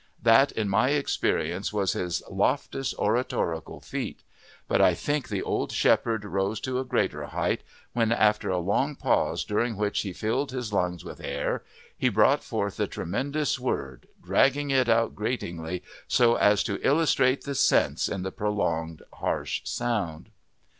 That in my experience was his loftiest oratorical feat; but I think the old shepherd rose to a greater height when, after a long pause during which he filled his lungs with air, he brought forth the tremendous word, dragging it out gratingly, so as to illustrate the sense in the prolonged harsh sound.